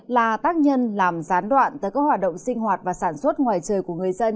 là tác nhân làm gián đoạn tới các hoạt động sinh hoạt và sản xuất ngoài trời của người dân